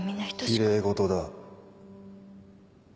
きれい事だ。